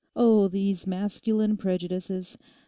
Oh, these masculine prejudices!